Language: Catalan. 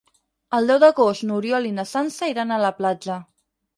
El deu d'agost n'Oriol i na Sança iran a la platja.